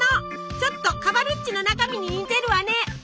ちょっとカバルッチの中身に似てるわね。